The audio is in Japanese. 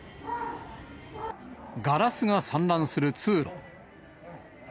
ガラスが散乱する通路。